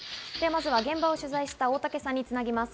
まずは現場を取材した大竹さんにつなぎます。